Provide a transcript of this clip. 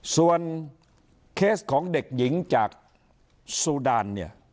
ส่วนเคสของเด็กหญิงจากสูดาน